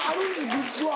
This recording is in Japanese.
グッズは。